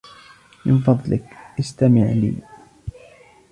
من فضلك, إستمع إلي!